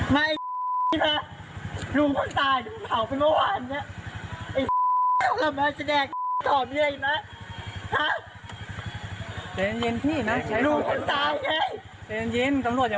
มันคงอัดอันมาหลายเรื่องนะมันเลยระเบิดออกมามีทั้งคำสลัดอะไรทั้งเต็มไปหมดเลยฮะ